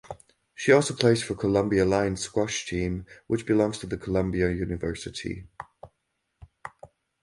She also plays for Columbia Lions squash team which belongs to the Columbia University.